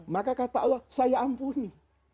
maka kata allah saya ampuni